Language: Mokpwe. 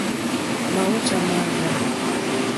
Màwújà máŋɡâ.